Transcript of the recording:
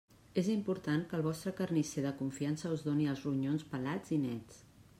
És important que el vostre carnisser de confiança us doni els ronyons pelats i nets.